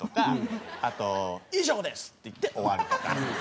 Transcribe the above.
あと「以上です！」って言って終わるとか。